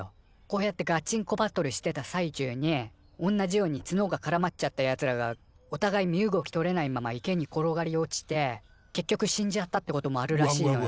こうやってガチンコバトルしてた最中におんなじようにツノがからまっちゃったやつらがおたがい身動きとれないまま池に転がり落ちて結局死んじゃったってこともあるらしいのよ。